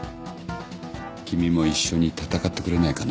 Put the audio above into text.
君も一緒に戦ってくれないかな。